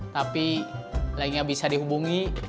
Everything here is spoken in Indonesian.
tapi lainnya bisa dihubungi